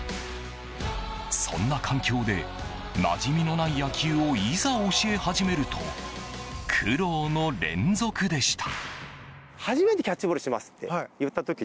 そんな環境でなじみのない野球をいざ教え始めると苦労の連続でした。